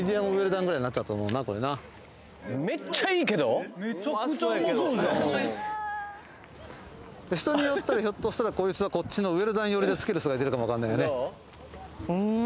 めちゃくちゃうまそうじゃん人によったらひょっとしたらこっちのウェルダン寄りで付ける人がいてるかも分かんないよね